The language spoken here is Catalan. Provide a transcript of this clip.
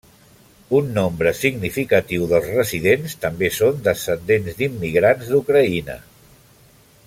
Un nombre significatiu dels residents també són descendents d'immigrants d'Ucraïna.